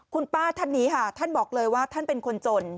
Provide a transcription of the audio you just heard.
คุณป้าท่านนี้ค่ะท่านบอกเลยว่าท่านเป็นคนจน